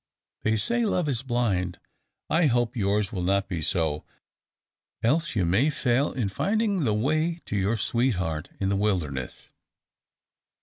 They say Love is blind. I hope, yours will not be so: else you may fail in finding the way to your sweetheart in the wilderness.